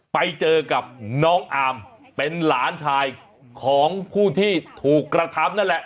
ไปเจอกับน้องอามเป็นหลานชายของผู้ที่ถูกกระทำนั่นแหละ